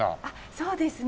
そうですね。